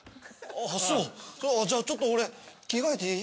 あそうじゃあちょっと俺着替えていい？